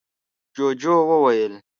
ُجوجُو وويل: